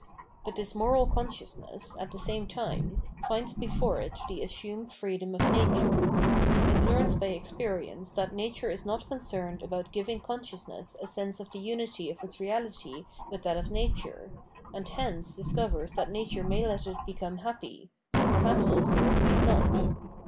But this moral con sciousness, at the same time, finds before it the assumed freedom of nature : it learns by experience that nature is not concerned about giving cou^ciousness a sense of the unity of its reality with that of nature, and hence discovers that nature may let it become happy, but perhaps also may not.